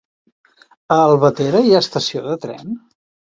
A Albatera hi ha estació de tren?